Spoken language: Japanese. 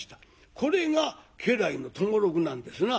これが家来の友六なんですな。